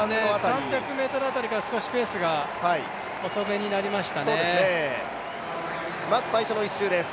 ３００ｍ辺りから少しペースが遅めになりましたね。